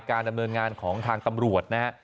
การดำเนินงานของทางตำรวจ